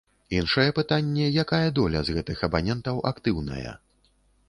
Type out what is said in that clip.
Іншае пытанне, якая доля з гэтых абанентаў актыўная.